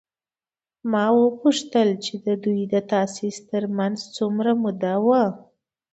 ما وپوښتل چې د دوی د تاسیس تر منځ څومره موده وه؟